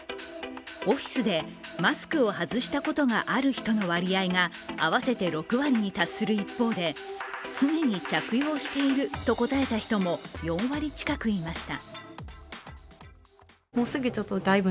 オフィスでマスクを外したことがある人の割合が合わせて６割に達する一方で、常に着用していると答えた人も４割近くいました。